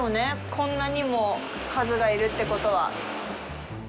こんなにも数がいるってことは。